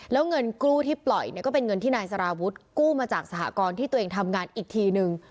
แล้วเงินกู้ที่ปล่อยเนี่ยก็เป็นเงินที่นายสารวุฒิกู้มาจากสหกรณ์ที่ตัวเองทำงานอีกทีนึง